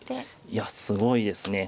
いやすごいですね。